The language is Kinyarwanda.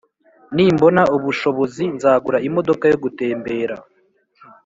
Nimbona ubushobozi nzagura imodoka yogutembera